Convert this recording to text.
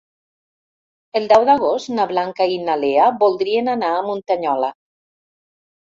El deu d'agost na Blanca i na Lea voldrien anar a Muntanyola.